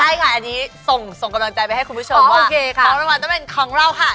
ใช่ค่ะอันนี้ส่งส่งกำลังใจไปให้คุณผู้ชมโอเคค่ะของรางวัลต้องเป็นของเราค่ะ